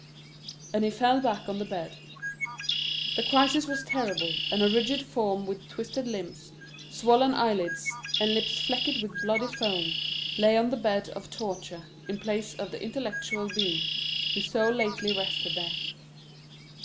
And he fell back on the bed. The crisis was terrible, and a rigid form with twisted limbs, swollen eyelids, and lips flecked with bloody foam, lay on the bed of torture, in place of the intellectual being who so lately rested there.